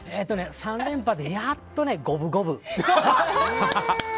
３連覇で、やっと五分五分。